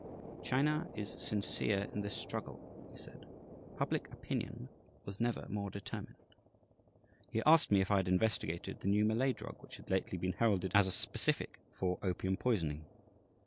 "China is sincere in this struggle," he said. "Public opinion was never more determined." He asked me if I had investigated the new Malay drug which had lately been heralded as a specific for opium poisoning.